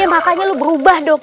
ya makanya lo berubah dong